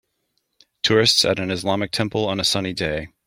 Tourists at an islamic temple on a sunny day.